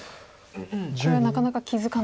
これはなかなか気付かない。